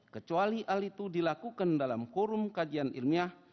kecuali hal itu dilakukan dalam forum kajian ilmiah